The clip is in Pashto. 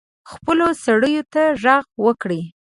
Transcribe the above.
خپلو سړیو ته ږغ وکړي.